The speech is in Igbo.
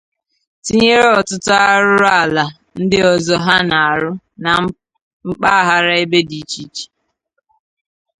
tinyere ọtụtụ arụrụala ndị ọzọ ha na-arụ na mpaghara ebe dị iche iche.